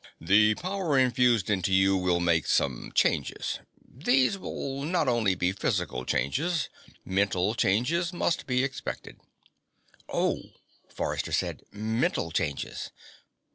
"The power infused into you will make some changes. These will not only be physical changes. Mental changes must be expected." "Oh," Forrester said. "Mental changes."